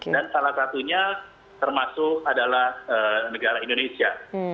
dan salah satunya termasuk adalah negara indonesia